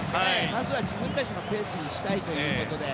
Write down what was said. まずは自分たちのペースにしたいということで。